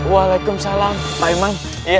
waalaikumsalam pak iman